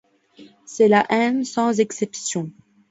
C’est la haine sans exception.